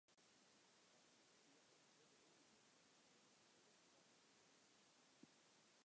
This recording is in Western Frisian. As ik spylje op in hurde ûndergrûn bin ik gefoelich foar blessueres.